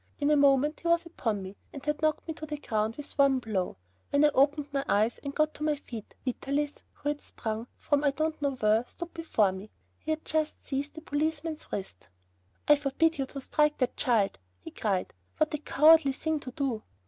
In a moment he was upon me, and had knocked me to the ground with one blow. When I opened my eyes and got to my feet Vitalis, who had sprung from I don't know where, stood before me. He had just seized the policeman's wrist. "I forbid you to strike that child," he cried, "what a cowardly thing to do!"